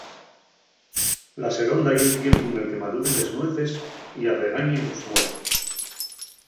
La seronda ye'l tiempu nel que maduren les nueces y arregañen los muergos.